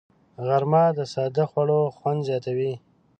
غرمه د ساده خوړو خوند زیاتوي